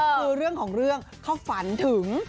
คือเรื่องของเรื่องเขาฝันถึง